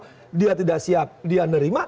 kalau hakim sudah siap dia nerima